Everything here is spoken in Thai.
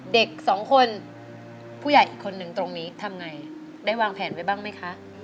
เด็กสองคนผู้ใหญ่อีกคนนึงตรงนี้ทำไงได้วางแผนไว้บ้างไหมคะ